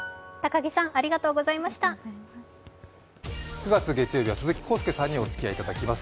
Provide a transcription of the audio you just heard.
９月月曜日は鈴木浩介さんにお付き合いいただきます。